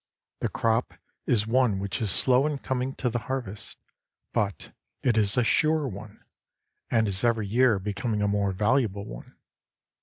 The crop is one which is slow in coming to the harvest, but it is a sure one, and is every year becoming a more valuable one.